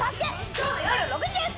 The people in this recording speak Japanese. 今日の夜６時です